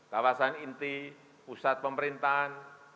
kawasan inti pusat pemerintahan